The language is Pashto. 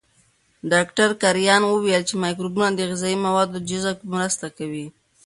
ډاکټر کرایان وویل چې مایکروبونه د غذایي موادو جذب کې مرسته کوي.